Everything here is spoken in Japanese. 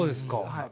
はい。